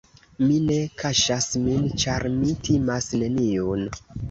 Mi ne kaŝas min, ĉar mi timas neniun.